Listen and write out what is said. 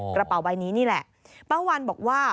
กระเป๋าใบนี้นี่แหละป้าวันบอกว่า